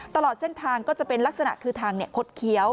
ตลอดเส้นทางก็จะเป็นลักษณะคือทางคดเคี้ยว